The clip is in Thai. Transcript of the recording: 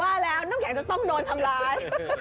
ว่าแล้วน้ำแข็งจะต้องโดนทำร้าย